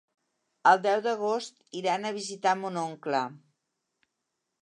El deu d'agost iran a visitar mon oncle.